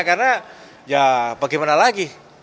karena ya bagaimana lagi